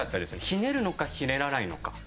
ひねるのかひねらないのか。